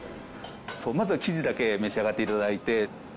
まずは生地だけ召し上がって頂いて。